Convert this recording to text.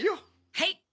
はい。